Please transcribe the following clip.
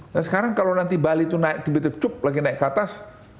dan sekarang kalau nanti bali itu naik tipitip cup lagi naik ke atas